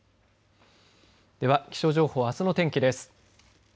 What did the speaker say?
では気象情報、あすの天気です。